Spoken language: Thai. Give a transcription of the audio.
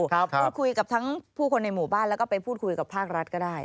พูดคุยกับทั้งผู้คนในหมู่บ้านแล้วก็ไปพูดคุยกับภาครัฐก็ได้